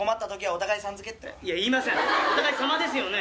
「お互いさま」ですよね？